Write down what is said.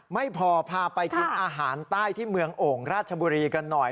ไม่พอพาไปกินอาหารใต้ที่เมืองโอ่งราชบุรีกันหน่อย